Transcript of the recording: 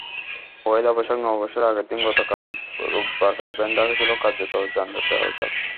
পয়লা বৈশাখ, নববর্ষের আগের দিন গতকাল রোববার রাজধানী ঢাকা ছিল কার্যত যানজটে অচল।